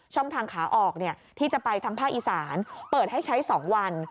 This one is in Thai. ทางขาออกที่จะไปทางภาคอีสานเปิดให้ใช้๒วัน